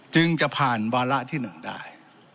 จึงจะผ่านวาระที่๑ได้